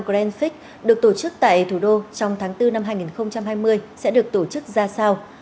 grandfic được tổ chức tại thủ đô trong tháng bốn năm hai nghìn hai mươi sẽ được tổ chức ra sao